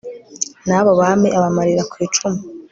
n'abo bami abamarira ku icumu